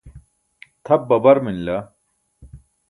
tʰap babar manila